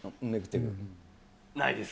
ないです。